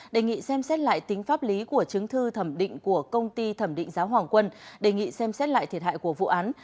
đề nghị xem xét lại tính pháp lý của chứng thư thẩm định của công ty thẩm định giáo hoàng quân đề nghị xem xét lại thiệt hại của vụ án